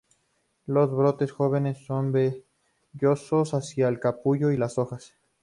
Los brotes jóvenes son vellosos hacia los capullos de las hojas.